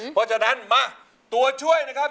เพราะฉะนั้นมาตัวช่วยนะครับ